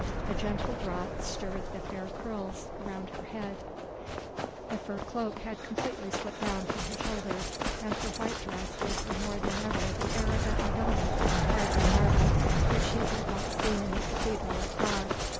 A gentle draught stirred the fair curls round her head, the fur cloak had completely slipped down from her shoulders and her white dress gave her more than ever the air of that Madonna carved in marble which he had seen once in the cathedral at Prague.